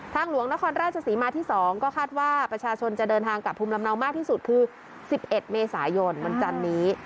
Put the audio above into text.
หลวงนครราชศรีมาที่๒ก็คาดว่าประชาชนจะเดินทางกับภูมิลำเนามากที่สุดคือ๑๑เมษายนวันจันนี้